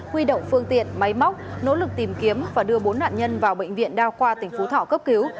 huy động phương tiện máy móc nỗ lực tìm kiếm và đưa bốn nạn nhân vào bệnh viện đa khoa tỉnh phú thỏ cấp cứu